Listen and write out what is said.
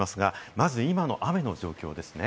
まず今の雨の状況ですね。